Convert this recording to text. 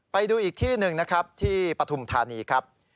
ไปดูอีกที่หนึ่งนะครับที่ปฐุมธานีครับ